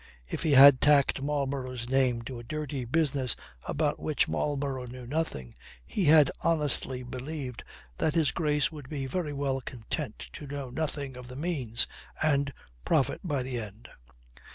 If he had tacked Marlborough's name to a dirty business about which Marlborough knew nothing, he had honestly believed that His Grace would be very well content to know nothing of the means, and profit by the end.